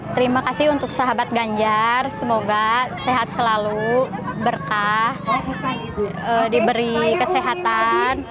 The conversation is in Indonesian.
terima kasih untuk sahabat ganjar semoga sehat selalu berkah diberi kesehatan